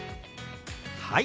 はい。